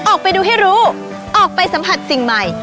ออกไปดูให้รู้ออกไปสัมผัสสิ่งใหม่